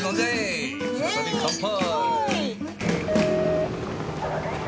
再び乾杯！